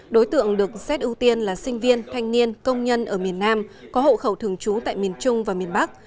đối tượng được xét ưu tiên là sinh viên thanh niên công nhân ở miền nam có hộ khẩu thường trú tại miền trung và miền bắc